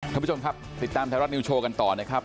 ท่านผู้ชมครับติดตามไทยรัฐนิวโชว์กันต่อนะครับ